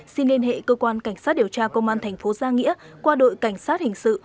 xin liên hệ cơ quan cảnh sát điều tra công an thành phố giang nghĩa qua đội cảnh sát hình sự